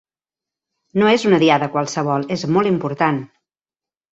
No és una Diada qualsevol, és molt important.